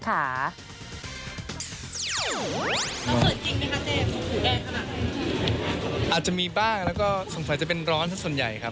อาจจะมีบ้างแล้วก็สงสัยจะเป็นร้อนที่ส่วนใหญ่ครับ